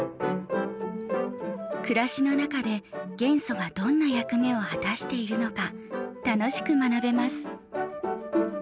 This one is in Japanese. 暮らしの中で元素がどんな役目を果たしているのか楽しく学べます。